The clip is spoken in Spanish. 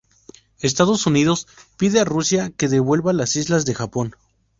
Estados Unidos pide a Rusia que devuelva las islas de Japón.